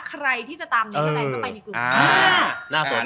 ใครที่จะตามเนื้อเทอร์แลนด์ก็ไปในกรุ๊ป